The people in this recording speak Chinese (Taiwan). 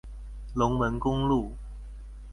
龍汶公路